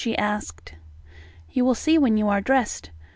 she asked. "You will see when you are dressed.